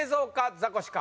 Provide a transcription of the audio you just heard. ザコシか？